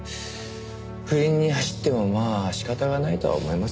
不倫に走ってもまあ仕方がないとは思いますけどね。